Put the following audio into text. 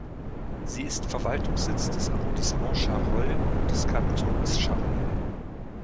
Sie ist Verwaltungssitz des Arrondissements Charolles und des Kantons Charolles.